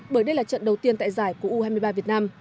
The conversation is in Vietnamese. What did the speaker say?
bởi đây là trận đầu tiên tại giải của u hai mươi ba việt nam